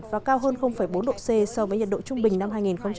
và cao hơn bốn độ c so với nhiệt độ trung bình năm hai nghìn sáu